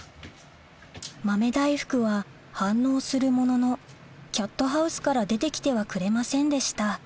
豆大福は反応するもののキャットハウスから出て来てはくれませんでした